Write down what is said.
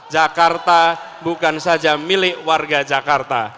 jakarta bukan saja milik warga jakarta